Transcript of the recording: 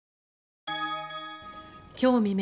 今日未明